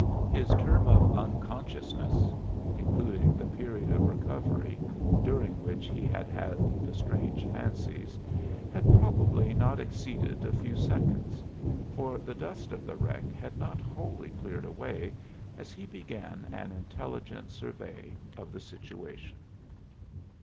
His term of unconsciousness, including the period of recovery, during which he had had the strange fancies, had probably not exceeded a few seconds, for the dust of the wreck had not wholly cleared away as he began an intelligent survey of the situation.